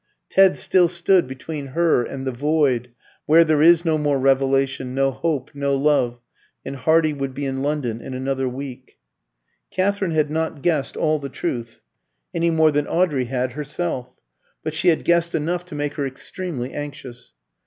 Ted still stood between her and the void where there is no more revelation, no hope, no love and Hardy would be in London in another week. Katherine had not guessed all the truth, any more than Audrey had herself; but she had guessed enough to make her extremely anxious.